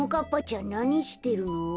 んなにしてるの？